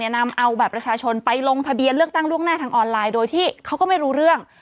นำเอาบัตรประชาชนไปลงทะเบียนเลือกตั้งล่วงหน้าทางออนไลน์โดยที่เขาก็ไม่รู้เรื่อง